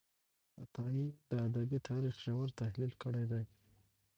عطايي د ادبي تاریخ ژور تحلیل کړی دی.